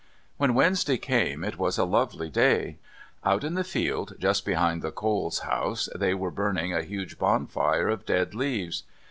When Wednesday came it was a lovely day. Out in the field just behind the Coles' house they were burning a huge bonfire of dead leaves.